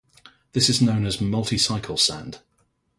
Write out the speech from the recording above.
This is known as a multicycle sand.